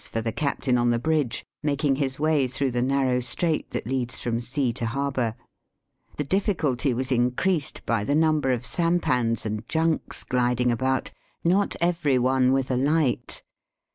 Ill for the captain on the bridge, making his way through the narrow strait that leads from sea to harbour. The difficulty was increased by the number of sampans and junks gliding about, not every one with a light.